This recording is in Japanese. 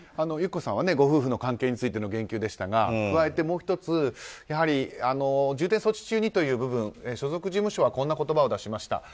友紀子さんはご夫婦の関係についての言及でしたが加えてもう１つ重点措置中にという部分所属事務所はこんな言葉を出しました。